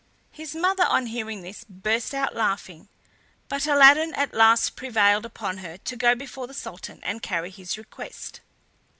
His mother, on hearing this, burst out laughing, but Aladdin at last prevailed upon her to go before the Sultan and carry his request.